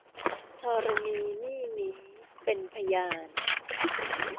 ธรณีนี่นี้ เป็นพยาน